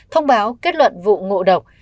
thông báo kết luận vụ ngộ độc